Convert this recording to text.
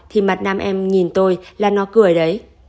thì mặt nam em nhìn tôi là nụ cười đấy